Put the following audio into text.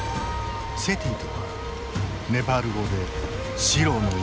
セティとはネパール語で白の意味。